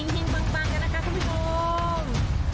ทิ้งปังอย่างนั้นนะคะคุณผู้ชม